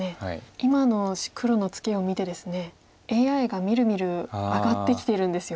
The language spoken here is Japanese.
今の黒のツケを見てですねＡＩがみるみる上がってきてるんですよ。